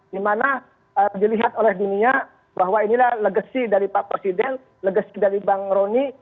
dimana dilihat oleh dunia bahwa inilah legacy dari pak presiden legasi dari bang roni